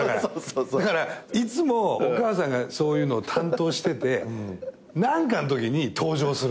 だからいつもお母さんがそういうのを担当してて何かんときに登場する。